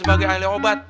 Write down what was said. sebagai ahli obat